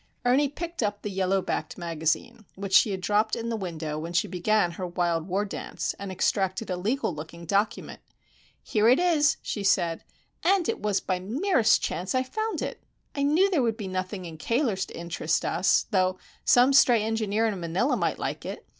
Ernie picked up the yellow backed magazine, which she had dropped in the window when she began her wild war dance, and extracted a legal looking document. "Here it is," she said; "and it was by the merest chance I found it. I knew there would be nothing in Cayler's to interest us, though some stray engineer in Manila might like it.